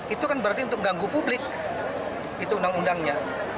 itu kan berarti untuk ganggu publik itu undang undangnya